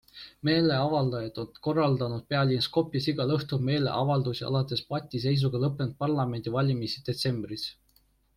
Meeleavaldajad on korraldanud pealinnas Skopjes igal õhtul meeleavaldusi alates patiseisuga lõppenud parlamendivalimisi detsembris.